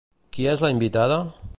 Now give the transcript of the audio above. Qui és la invitada?